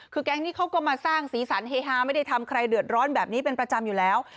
คือแก๊งนี้เขาก็มาสร้างสีสันเฮฮาไม่ได้ทำใครเดือดร้อนแบบนี้เป็นประจำอยู่แล้ว